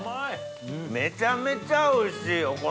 めちゃめちゃおいしいお好み。